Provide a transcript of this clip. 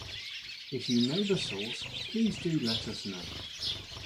If you know the source please do let us know.